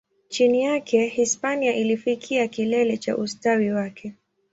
Chini yake, Hispania ilifikia kilele cha ustawi wake.